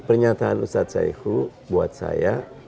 pernyataan ustaz syaihut buat saya